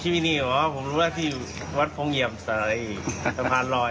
อ๋อคลิปนี้เหรอผมรู้ว่าพี่อยู่วัดโพงเหยียมสะลายสะพานลอย